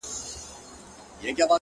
• ستا وه ځوانۍ ته دي لوگى سمه زه؛